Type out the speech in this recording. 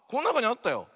あったよ。